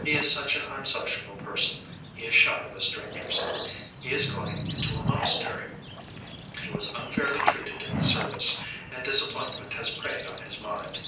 He is such an unsociable person, he is shy with strangers. He is going into a monastery. He was unfairly treated in the service, and the disappointment has preyed on his mind."